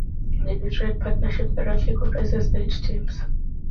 The Detroit Partnership currently comprises eight teams.